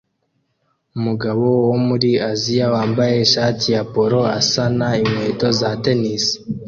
Umugabo wo muri Aziya wambaye ishati ya polo asana inkweto za tennis